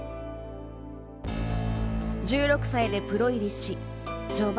１６歳でプロ入りし序盤